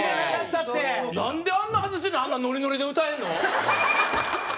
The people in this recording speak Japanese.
なんであんな外してんのにあんなノリノリで歌えんの？